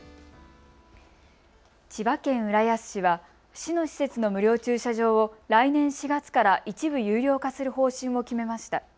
千葉県浦安市は市の施設の無料駐車場を来年４月から一部有料化する方針を決めました。